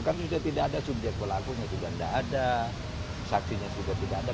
kan sudah tidak ada subjek pelakunya juga tidak ada saksinya juga tidak ada